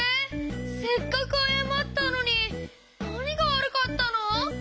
せっかくあやまったのになにがわるかったの？